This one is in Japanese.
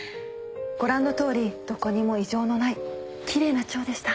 ご覧のとおりどこにも異常のない奇麗な腸でした